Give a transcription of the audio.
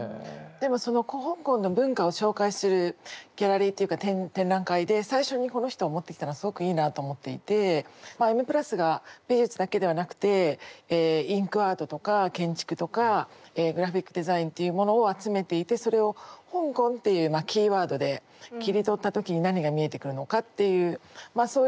でもその香港の文化を紹介するギャラリーっていうか展覧会で最初にこの人を持ってきたのはすごくいいなあと思っていてまあ「Ｍ＋」が美術だけではなくてインクアートとか建築とかグラフィックデザインっていうものを集めていてそれを「香港」っていうキーワードで切り取った時に何が見えてくるのかっていうまあ